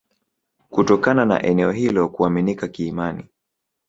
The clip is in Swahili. Kutokana na eneo hilo kuaminika kiimani